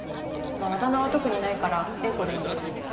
あだ名は特にないから英子でいいよ。